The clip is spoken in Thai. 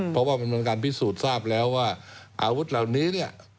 เพราะว่ามันเป็นการพิสูจน์ทราบแล้วว่าอาวุธเหล่านี้เนี่ย